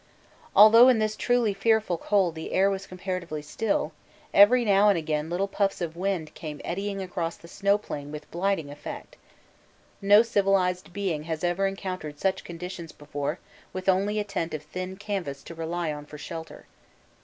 Although in this truly fearful cold the air was comparatively still, every now and again little puffs of wind came eddying across the snow plain with blighting effect. No civilised being has ever encountered such conditions before with only a tent of thin canvas to rely on for shelter.